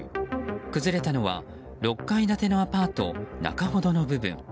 崩れたのは、６階建てのアパート中ほどの部分。